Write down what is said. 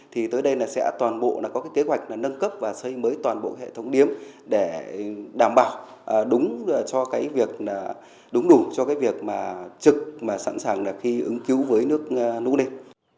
thì tới đây là sẽ toàn bộ có cái kế hoạch là nâng cấp và xây mới toàn bộ hệ thống điếm để đảm bảo đúng đủ cho cái việc trực và sẵn sàng khi ứng cứu với nước núi lên